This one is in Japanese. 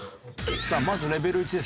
さあまずレベル１ですね。